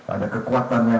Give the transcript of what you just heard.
ada kekuatan yang